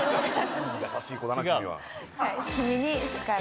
優しい子だな君は。